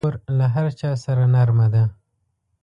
خور له هر چا سره نرمه ده.